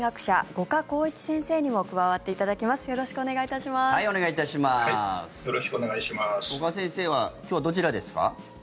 五箇先生は今日、どちらですか？